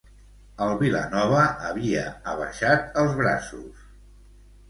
El Vilanova havia abaixat els braços.